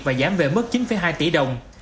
và giảm về mất chín hai tỷ đồng